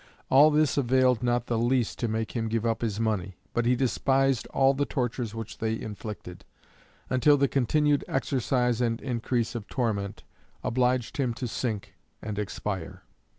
All this availed not the least to make him give up his money, but he despised all the tortures which they inflicted, until the continued exercise and increase of torment, obliged him to sink and expire.